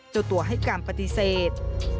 เจ้าตัวให้การปฏิเสธ